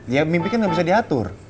ya mimpi kan nggak bisa diatur